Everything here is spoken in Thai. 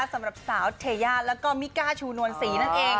สำหรับสาวเทยาแล้วก็มิก้าชูนวลศรีนั่นเอง